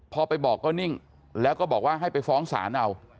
พอไปบอกก็นิ่งแล้วก็บอกว่าให้ไปฟ้องศาลเอา